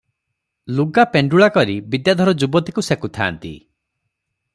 ଲୁଗା ପେଣ୍ଡୁଳା କରି ବିଦ୍ୟାଧର ଯୁବତୀକୁ ସେକୁଥାଏ ।